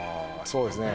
そうですね